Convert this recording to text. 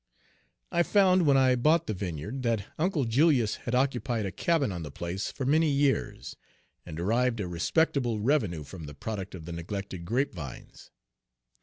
I found, when I bought the vineyard, that Uncle Julius had occupied a cabin Page 35 on the place for many years, and derived a respectable revenue from the product of the neglected grapevines.